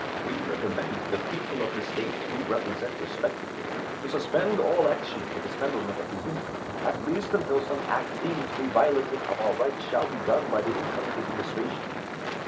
"We recommend to the people of the States we represent respectively, to suspend all action for dismemberment of Lincoln t(( the Union, at least until some act deemed to be violative of guff Green. our rights shall be done by the incoming Administration.